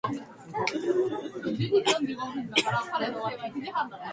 こっそり女に手を出して女色にふけること。